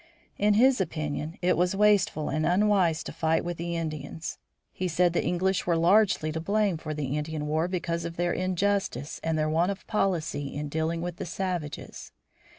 In his opinion it was wasteful and unwise to fight with the Indians. He said the English were largely to blame for the Indian war because of their injustice and their want of policy in dealing with the savages.